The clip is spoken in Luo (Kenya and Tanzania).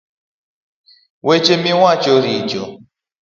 Weche miwacho richo